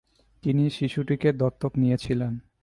তিনি শিশুটিকে দত্তক নিয়েছিলেন।